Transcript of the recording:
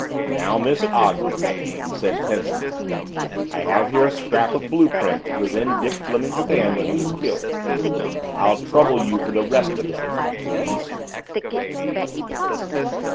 "Now, Miss Ogden," he said tensely, "I have here a scrap of blue print which was in Dick Fleming's hand when he was killed. I'll trouble you for the rest of it, if you please!"